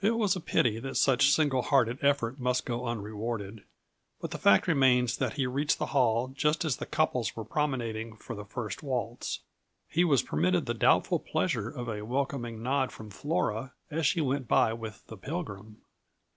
It was a pity that such single hearted effort must go unrewarded, but the fact remains that he reached the hall just as the couples were promenading for the first waltz. He was permitted the doubtful pleasure of a welcoming nod from Flora as she went by with the Pilgrim.